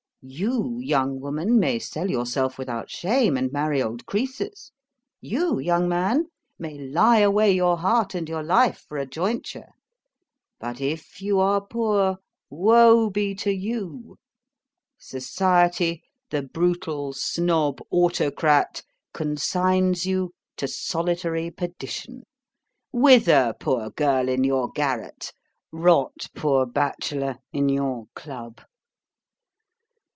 You, young woman, may sell yourself without shame, and marry old Croesus; you, young man, may lie away your heart and your life for a jointure. But if 'you are poor, woe be to you! Society, the brutal Snob autocrat, consigns you to solitary perdition. Wither, poor girl, in your garret; rot, poor bachelor, in your Club.